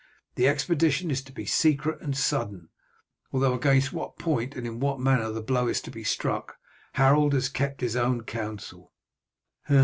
The expedition is to be secret and sudden, although against what point and in what manner the blow is to be struck Harold has kept his own counsel."